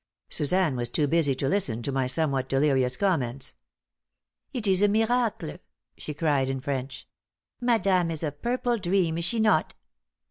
Suzanne was too busy to listen to my somewhat delirious comments. "It is a miracle!" she cried in French. "Madame is a purple dream, is she not?"